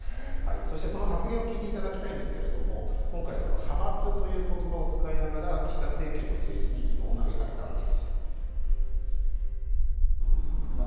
そしてその発言を聞いていただきたいんですが派閥という言葉を使いながら岸田政権に疑問を投げかけたんです。